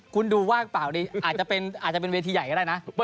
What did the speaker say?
คุณดูว่างเปล่าดีอาจจะเป็นเวทีใหญ่ก็ได้นะ